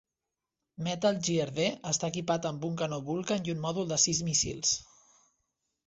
Metal Gear D està equipat amb un canó Vulcan i un mòdul de sis míssils.